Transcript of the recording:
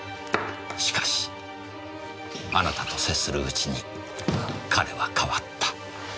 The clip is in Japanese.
しかしあなたと接するうちに彼は変わった。